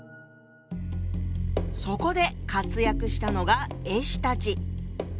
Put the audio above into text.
そこで活躍したのが絵師たち！